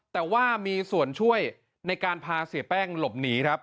แต่ว่ามีส่วนช่วยในการพาเสียแป้งหลบหนีครับ